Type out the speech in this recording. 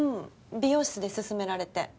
美容室で勧められて。